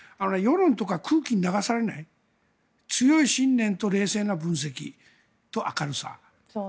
世論とか空気に流されない強い信念と冷静な分析と明るさ。